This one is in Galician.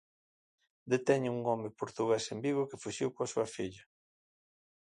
Deteñen un home portugués en Vigo que fuxiu coa súa filla.